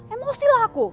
emosi lah aku